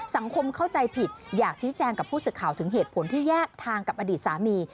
เข้าใจผิดอยากชี้แจงกับผู้สื่อข่าวถึงเหตุผลที่แยกทางกับอดีตสามี